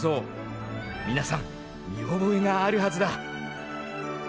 皆さん見覚えがあるはずだ。